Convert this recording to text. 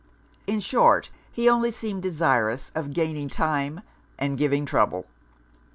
In short, he only seemed desirous of gaining time and giving trouble.